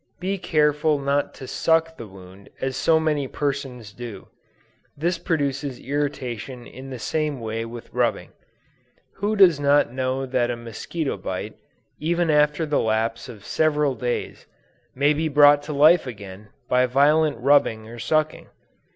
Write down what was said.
Be careful not to suck the wound as so many persons do; this produces irritation in the same way with rubbing. Who does not know that a musquito bite, even after the lapse of several days, may be brought to life again, by violent rubbing or sucking?